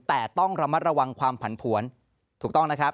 แต่ต้องระมัดระวังความผันผวนถูกต้องนะครับ